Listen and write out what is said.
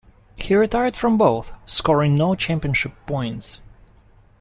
He retired from both, scoring no championship points.